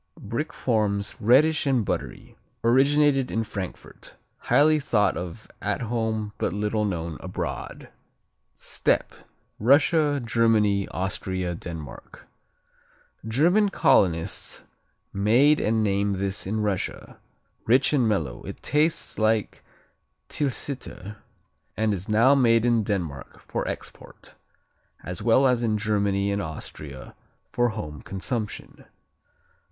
Brick forms, reddish and buttery. Originated in Frankfurt. Highly thought of at home but little known abroad. Steppe Russia, Germany, Austria, Denmark German colonists made and named this in Russia. Rich and mellow, it tastes like Tilsiter and is now made in Denmark for export, as well as in Germany and Austria for home consumption.